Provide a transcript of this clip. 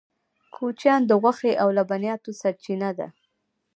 کوچیان د غوښې او لبنیاتو سرچینه ده